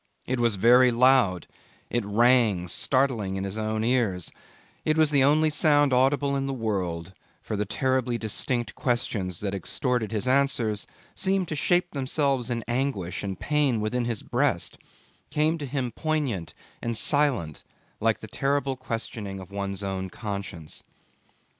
It was very loud, it rang startling in his own ears, it was the only sound audible in the world, for the terribly distinct questions that extorted his answers seemed to shape themselves in anguish and pain within his breast, came to him poignant and silent like the terrible questioning of one's conscience.